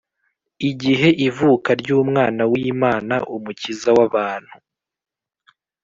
igihe ivuka ry’umwana w’imana umukiza w’abantu,